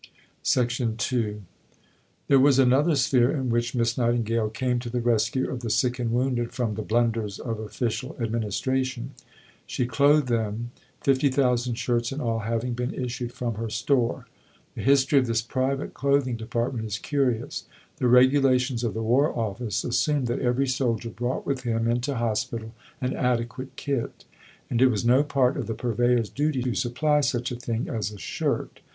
II There was another sphere in which Miss Nightingale came to the rescue of the sick and wounded from the blunders of official administration. She clothed them, 50,000 shirts in all having been issued from her store. The history of this private clothing department is curious. The regulations of the War Office assumed that every soldier brought with him into hospital an adequate kit, and it was no part of the Purveyor's duty to supply such a thing as a shirt.